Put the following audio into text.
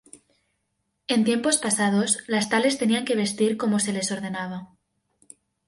En tiempos pasados, las tales tenían que vestir como se les ordenaba.